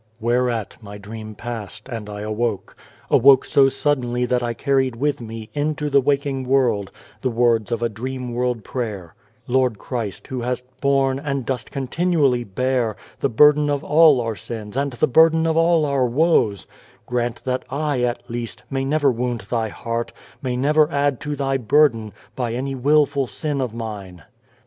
Whereat my dream passed, and I awoke awoke so suddenly that I carried with me, into the waking world, the words of a dream world prayer :" Lord Christ, who hast borne, and dost continually bear, the burden of all our sins and the burden of all our woes, grant that I, at least, may never wound Thy heart, may never add to Thy burden, by any wilful sin of mine